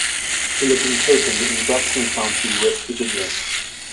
He lived in Copen, in Braxton County, West Virginia.